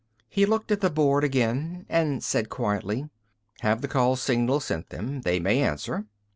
He looked at the board again and said quietly, "Have the call signal sent them. They may answer."